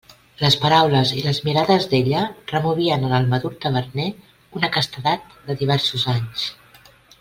Les paraules i les mirades d'ella removien en el madur taverner una castedat de diversos anys.